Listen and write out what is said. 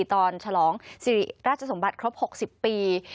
ตอนฉลองราชสมบัติครบ๖๐ปี